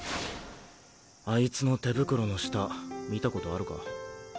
あいつの手袋の下見たことあるか？